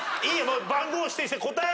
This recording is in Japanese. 番号指定して答えろ。